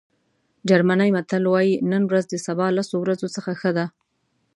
جرمني متل وایي نن ورځ د سبا لسو ورځو څخه ښه ده.